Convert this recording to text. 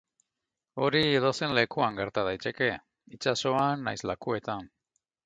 Hori edozein lekuan gerta daiteke, itsasoan nahiz lakuetan.